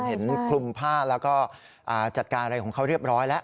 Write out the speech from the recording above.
เห็นคลุมผ้าแล้วก็จัดการอะไรของเขาเรียบร้อยแล้ว